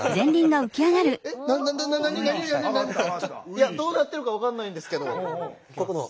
いやどうなってるか分かんないんですけど。